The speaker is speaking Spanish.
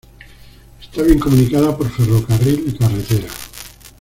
Está bien comunicada por ferrocarril y carretera.